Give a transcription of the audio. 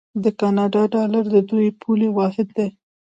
د کاناډا ډالر د دوی پولي واحد دی.